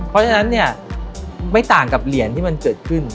เพราะฉะนั้นเนี่ยไม่ต่างกับเหรียญที่มันเกิดขึ้น